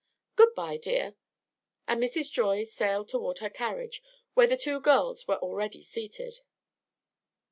Good by, dear." And Mrs. Joy sailed toward her carriage, where the two girls were already seated.